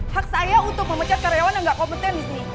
hak saya untuk memecat karyawan yang gak kompeten di sini